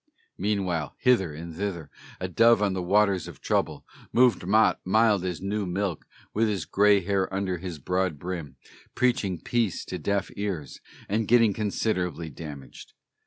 Meanwhile hither and thither, a dove on the waters of trouble, Moved Mott, mild as new milk, with his gray hair under his broad brim, Preaching peace to deaf ears, and getting considerably damaged.